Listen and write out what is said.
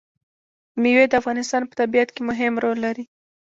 مېوې د افغانستان په طبیعت کې مهم رول لري.